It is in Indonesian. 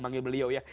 manggil beliau ya